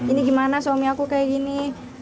ini gimana suami aku kayak gini